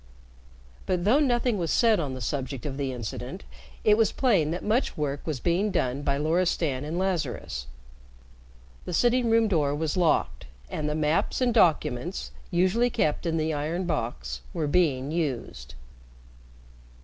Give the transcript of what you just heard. But though nothing was said on the subject of the incident, it was plain that much work was being done by Loristan and Lazarus. The sitting room door was locked, and the maps and documents, usually kept in the iron box, were being used.